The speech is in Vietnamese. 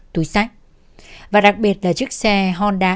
túi sách và đặc biệt là chiếc xe honda